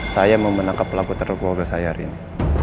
saya mau menangkap pelaku terluka wogel saya hari ini